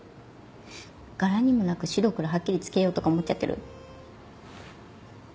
柄にもなく白黒はっきりつけようとか思っちゃってる？